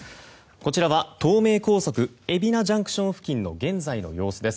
こちらは東名高速海老名ＪＣＴ付近の現在の様子です。